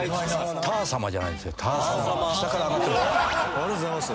「ありがとうございます。